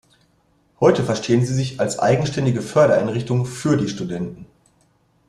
Heute verstehen sie sich als eigenständige Fördereinrichtungen "für" die Studenten.